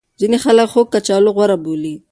ځینې خلک خوږ کچالو غوره بولي.